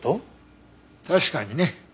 確かにね。